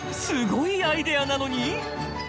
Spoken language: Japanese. すごいアイデアなのに？